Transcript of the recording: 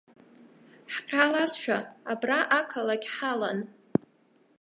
Ҳҟьалазшәа абра ақалақь ҳалан.